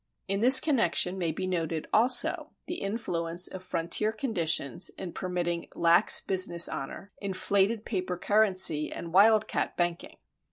In this connection may be noted also the influence of frontier conditions in permitting lax business honor, inflated paper currency and wild cat banking.